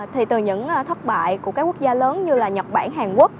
thì từ những thất bại của các quốc gia lớn như là nhật bản hàn quốc